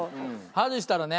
外したらね。